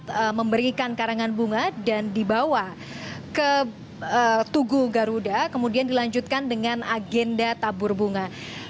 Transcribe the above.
mereka memberikan karangan bunga dan dibawa ke tugu garuda kemudian dilanjutkan dengan agenda tabur bunga